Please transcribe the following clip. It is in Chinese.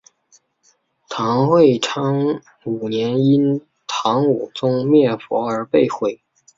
唐会昌五年因唐武宗灭佛而被毁。